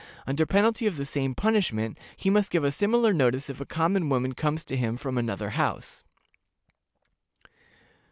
Under penalty of the same punishment, he must give a similar notice if a common woman comes to him from another house.